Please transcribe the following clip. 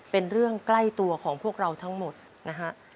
เป็นเรื่องใกล้ตัวของพวกเราทั้งหมดนะฮะ